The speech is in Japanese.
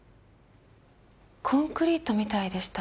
コンクリートみたいでした。